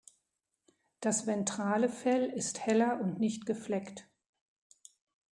Das ventrale Fell ist heller und nicht gefleckt.